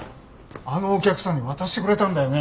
あのお客さんに渡してくれたんだよね？